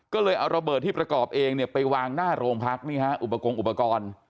ก็เลยเอาระเบิดที่ประกอบเองเนี่ยไปวางหน้าโรงพักนี่ฮะอุปกรณ์อุปกรณ์